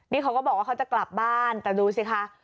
นี่เขาก็บอกว่าเขาจะกลับบ้านแต่ดูสิคะ